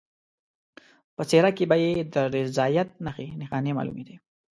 په څېره کې به یې د رضایت نښې نښانې معلومېدلې.